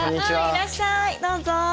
いらっしゃいどうぞ。